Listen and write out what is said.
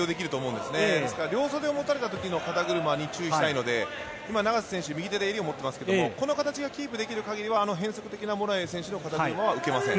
ですから、両袖を持たれたときの肩車に注意したいので、今、永瀬選手、右手で襟を持っていますけれども、この形がキープできるかぎりは、あの変則的なモラエイ選手の肩車は受けません。